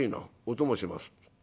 お供します』。